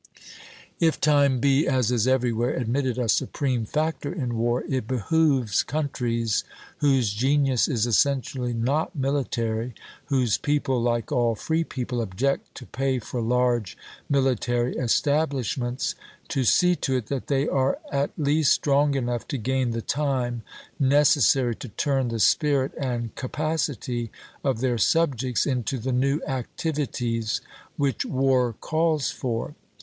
If time be, as is everywhere admitted, a supreme factor in war, it behooves countries whose genius is essentially not military, whose people, like all free people, object to pay for large military establishments, to see to it that they are at least strong enough to gain the time necessary to turn the spirit and capacity of their subjects into the new activities which war calls for.